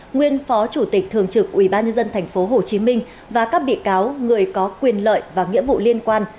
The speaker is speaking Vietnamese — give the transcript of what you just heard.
nguyên phó chủ tịch thường trực ubnd tp hcm và các bị cáo người có quyền lợi và nghĩa vụ liên quan